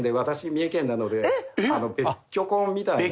三重県なので別居婚みたいな。